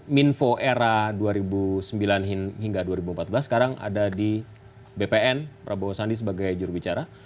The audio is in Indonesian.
minfo era dua ribu sembilan hingga dua ribu empat belas sekarang ada di bpn prabowo sandi sebagai jurubicara